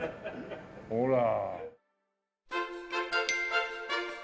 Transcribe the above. ほら。